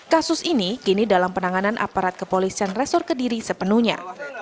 kasus ini kini dalam penanganan aparat kepolisian resor kediri sepenuhnya